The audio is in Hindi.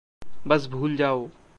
बस भूल जाओ।